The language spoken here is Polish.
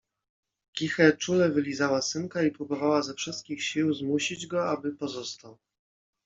Kiche czule wylizała synka i próbowała ze wszystkich sił zmusić go, aby pozostał